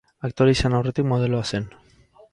Aktore izan aurretik modeloa zen.